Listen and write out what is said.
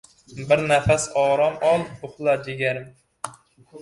Bir nafas orom ol, uxla, jigarim.